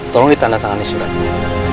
tolong ditandatangani suratnya